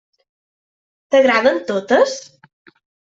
T'agraden totes?